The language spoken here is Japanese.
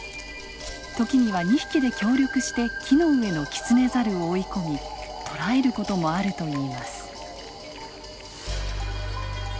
時には２匹で協力して木の上のキツネザルを追い込み捕らえる事もあるといいます。